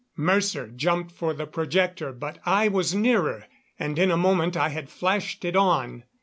Mercer jumped for the projector, but I was nearer, and in a moment I had flashed it on.